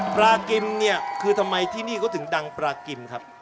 ปลากิมเนี่ยคือทำไมที่นี่เขาถึงดังปลากิมครับ